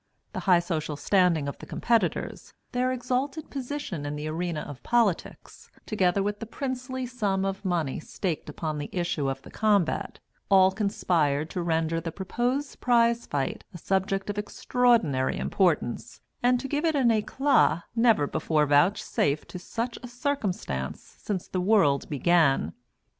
The high social standing of the competitors, their exalted position in the arena of politics, together with the princely sum of money staked upon the issue of the combat, all conspired to render the proposed prize fight a subject of extraordinary importance, and to give it an éclat never before vouchsafed to such a circumstance since the world began.